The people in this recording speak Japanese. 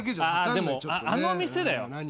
でもあの店だよ。